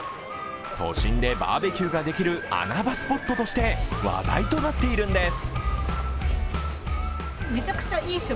都心でバーベキューができる穴場スポットとして話題となっているんです。